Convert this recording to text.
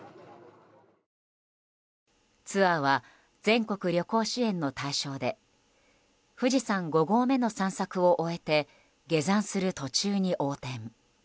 ツアーは全国旅行支援の対象で富士山５合目の散策を終えて下山する途中に横転。